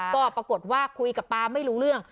ก็ปรากฏว่าคุยกับป๊าไม่รู้เรื่อง